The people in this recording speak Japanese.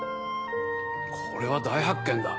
これは大発見だ。